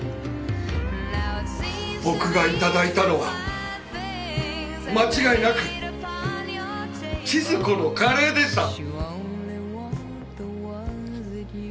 僕がいただいたのは間違いなく千鶴子のカレーでした。